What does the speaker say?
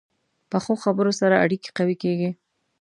پخو خبرو سره اړیکې قوي کېږي